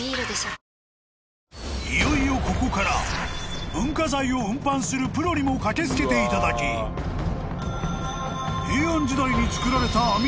［いよいよここから文化財を運搬するプロにも駆け付けていただき平安時代につくられた］